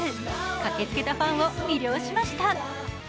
駆けつけたファンを魅了しました。